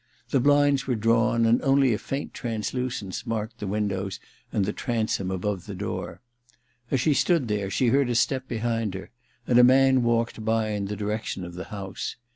The blinds were drawn, and only a faint trans lucence marked the windows and the transom above the door. As she stood there she heard a step behind her, and a man walked by in the direction of the house.